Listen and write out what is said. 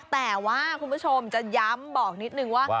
แต่ว่าคุณผู้ชมจะย้ำบอกนิดนึงว่า